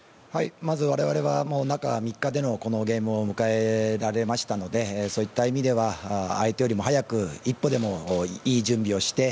まず、われわれは中３日でこのゲームを迎えられましたのでそういった意味では相手よりも早く一歩でもいい準備をして。